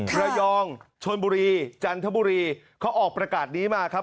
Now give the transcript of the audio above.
ระยองชนบุรีจันทบุรีเขาออกประกาศนี้มาครับ